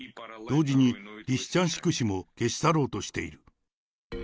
同時に、リシチャンシク市も消し去ろうとしている。